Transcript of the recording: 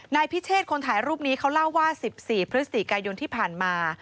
นายพิเชษคนถ่ายรูปนี้เขาเล่าว่า๑๔พฤศจิกายนที่ผ่านมา